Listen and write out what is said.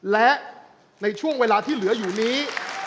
และในช่วงเวลาที่เหลืออยู่นี้